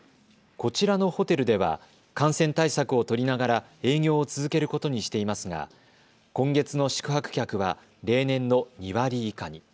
こちらのホテルでは感染対策を取りながら営業を続けることにしていますが今月の宿泊客は例年の２割以下に。